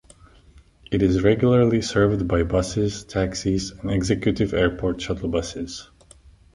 It is regularly served by buses, taxis and Executive Airport Shuttle Buses.